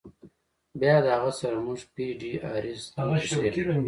بیا د هغه سره مونږ پی ډی آریز هم تشریح کړل.